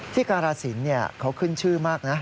การาศิลป์เขาขึ้นชื่อมากนะ